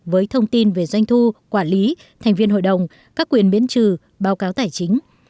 với thông tin về doanh thu quản lý thành viên hội đồng các quyền miễn trừ báo cáo tài chính